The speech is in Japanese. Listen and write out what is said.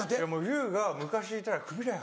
「ユーが昔いたらクビだよ」